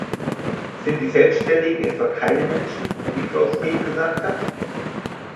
Sind die Selbständigen etwa keine Menschen, wie Frau Smet gesagt hat?